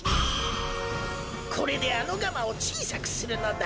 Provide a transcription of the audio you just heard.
これであのガマをちいさくするのだ。